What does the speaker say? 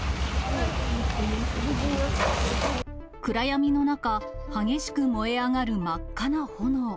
暗闇の中、激しく燃え上がる真っ赤な炎。